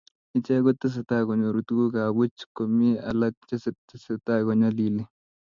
Ichek ko tesetai konyoru tuguk ab puch komie alak che tesetai konyalili